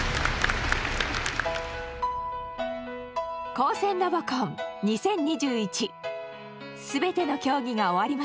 「高専ロボコン２０２１」全ての競技が終わりました。